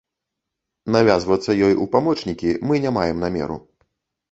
Навязвацца ёй у памочнікі мы не маем намеру.